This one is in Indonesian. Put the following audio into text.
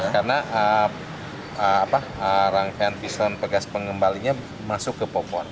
karena rangkaian piston pegas pengembalinya masuk ke popor